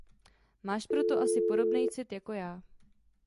Máš pro to asi podobnej cit jako já.